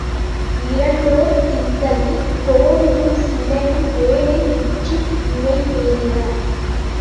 இரண்டோர் திங்களில் கோவிலும் சிலையும் வேலை முற்றி நிறைவேறின.